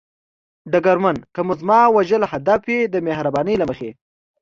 ډګرمن: که مو زما وژل هدف وي، د مهربانۍ له مخې.